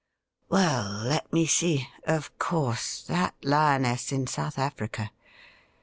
'Well, let. me see — of course, that lioness in South Africa.